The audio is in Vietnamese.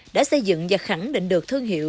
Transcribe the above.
đã xây dựng và khẳng định được thương hiệu